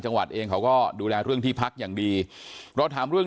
จังหวัดเองเขาก็ดูแลเรื่องที่พักอย่างดีเราถามเรื่อง